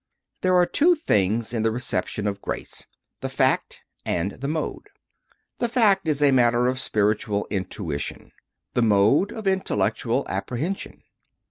There are two things in the reception of grace the fact and the mode. The fact is a matter of spiritual intuition; the mode, of intellectual apprehension.